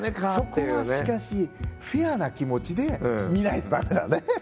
そこはしかしフェアな気持ちで見ないと駄目だね。